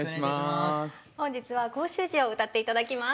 本日は「甲州路」を歌って頂きます。